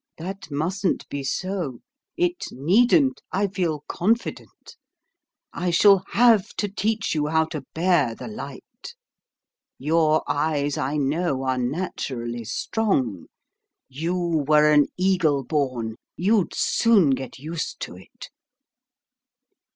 That mustn't be so it needn't, I feel confident. I shall have to teach you how to bear the light. Your eyes, I know, are naturally strong; you were an eagle born: you'd soon get used to it."